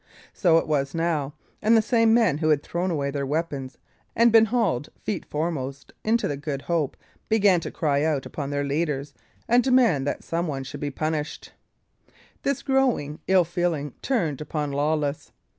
So it was now; and the same men who had thrown away their weapons and been hauled, feet foremost, into the Good Hope, began to cry out upon their leaders, and demand that someone should be punished. This growing ill feeling turned upon Lawless.